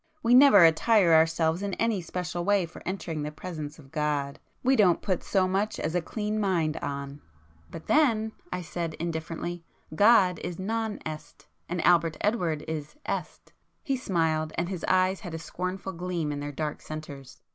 We never attire ourselves in any special way for entering the presence of God; we don't put so much as a clean mind on." "But then,"—I said indifferently—"God is non est,—and Albert Edward is est." He smiled,—and his eyes had a scornful gleam in their dark centres.